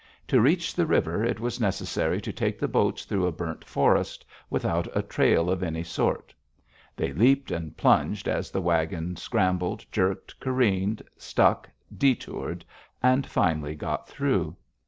To reach the river, it was necessary to take the boats through a burnt forest, without a trail of any sort. They leaped and plunged as the wagon scrambled, jerked, careened, stuck, détoured, and finally got through.